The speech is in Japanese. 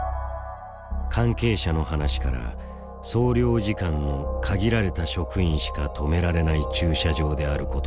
関係者の話から総領事館の限られた職員しか止められない駐車場であることが分かった。